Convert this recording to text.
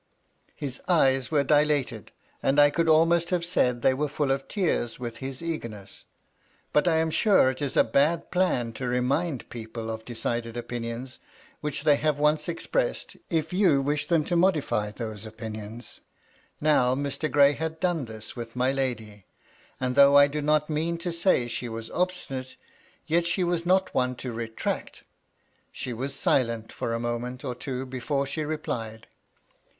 His eyes were dilated, and I could almost have said they were full of tears with his eagerness. But I am sure it is a bad plan to remind people of decided opinions which they have once expressed, if you wish MY LADY LUDLOW. 231 them to modify those opinions. Now, Mr. Gray had done this with my lady ; and though I do not mean to say she was obstinate, yet she was not one to retract. She was silent for a moment or two before she replied.